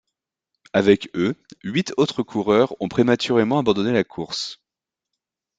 Avec eux, huit autres coureurs on prématurément abandonné la course.